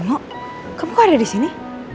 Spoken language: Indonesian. bimo kamu kok ada disini